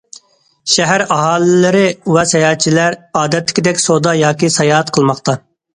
شەھەر ئاھالىلىرى ۋە ساياھەتچىلەر ئادەتتىكىدەك سودا ياكى ساياھەت قىلماقتا.